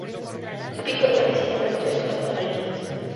Su pico es blanquecino verdoso y sus patas amarillentas.